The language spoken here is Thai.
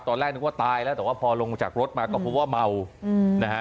ตอนแรกนึกว่าตายแล้วแต่ว่าพอลงจากรถมาก็พบว่าเมานะฮะ